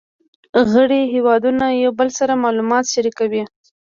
غړي هیوادونه یو بل سره معلومات شریکوي